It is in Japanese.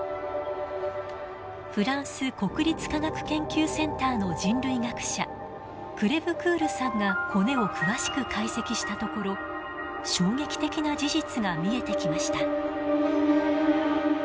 フランス国立科学研究センターの人類学者クレヴクールさんが骨を詳しく解析したところ衝撃的な事実が見えてきました。